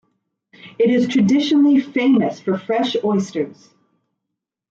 It is traditionally famous for fresh oysters.